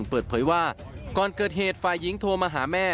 เปิดเผยว่าก่อนเกิดเหตุฝ่ายหญิงโทรมาหาแม่